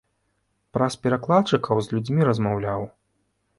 Праз перакладчыкаў з людзьмі размаўляў.